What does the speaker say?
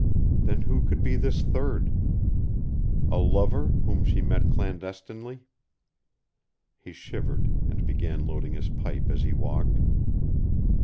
Then who could be this third? A lover, whom she met clandestinely? He shivered, and began loading his pipe as he walked.